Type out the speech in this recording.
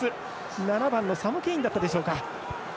７番サム・ケインだったでしょうか。